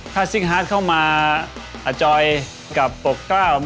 ถ้าซิกฮาร์ดเข้ามาอจอยกับปกคร่าว